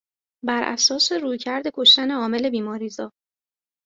بر اساس رویکرد کشتن عامل بیماریزا